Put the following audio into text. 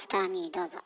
どうぞ。